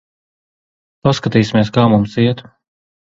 Paskatīsimies, kā mums iet.